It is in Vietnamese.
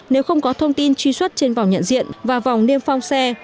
nếu không có thông tin truy xuất trên vòng nhận diện và vòng niêm phong xe